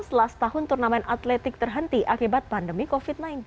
setelah setahun turnamen atletik terhenti akibat pandemi covid sembilan belas